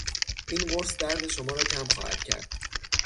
این قرص درد شما را کم خواهد کرد.